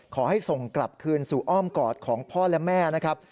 ขอให้ส่งกลับคืนสู่อ้อมกอดของพ่อและแม่นะครับ